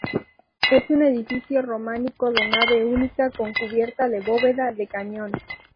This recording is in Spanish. Es un edificio románico de nave única con cubierta de bóveda de cañón.